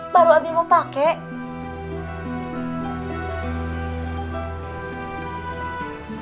baru abi mau pakai